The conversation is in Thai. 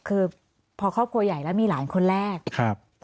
คือพอครอบครัวใหญ่แล้วมีหลานคนแรกครับ